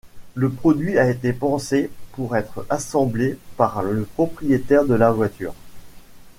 Le produit a été pensé pour être assemblé par le propriétaire de la voiture.